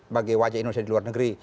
bagi wajah indonesia di luar negeri